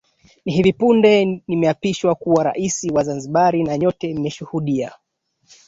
hivi punde nimeapishwa kuwa rais wa zanzibar na nyote mmeshuhudia